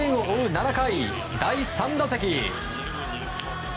７回、第３打席。